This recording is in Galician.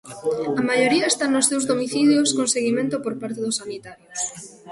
A maioría está nos seus domicilios con seguimento por parte dos sanitarios.